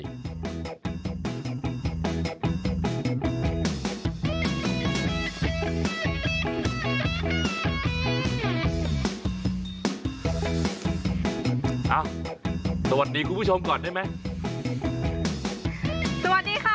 สุดยอดน้ำมันเครื่องจากญี่ปุ่น